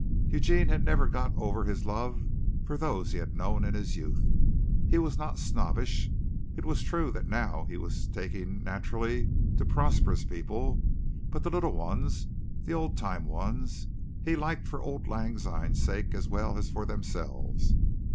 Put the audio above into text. Eugene had never got over his love for those he had known in his youth. He was not snobbish. It was true that now he was taking naturally to prosperous people, but the little ones, the old time ones, he liked for old lang syne's sake as well as for themselves.